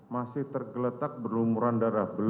masih tergeletak bergelumuran darah belum dibenda